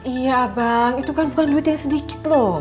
iya bang itu kan bukan duit yang sedikit loh